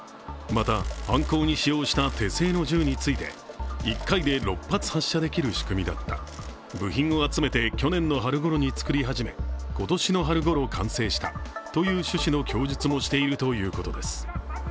また犯行に使用した手製の銃について１回で６発発射できる仕組みだった、部品を集めて去年の春ごろに作り始め今年の春ごろ完成したという趣旨の供述もしているということです。